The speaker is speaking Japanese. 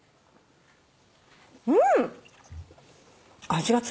うん。